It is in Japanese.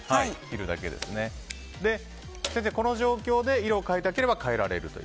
この状況で色を変えたければ変えられると？